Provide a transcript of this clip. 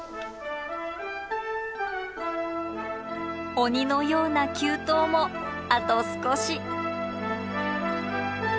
鬼のような急登もあと少し。